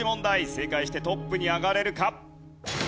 正解してトップに上がれるか？